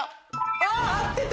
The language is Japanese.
あっ合ってた！